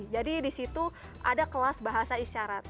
jadi di situ ada kelas bahasa isyarat